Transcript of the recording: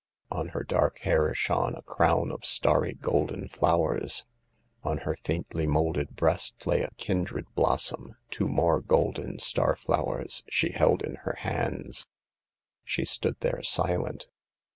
On her dark hair shone a crown of starry golden flowers. On her faintly moulded breast lay a kindred blossom ; two more golden star flowers she held in her hands. She stood there, silent.